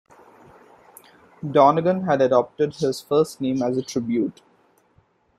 Donegan had adopted his first name as a tribute.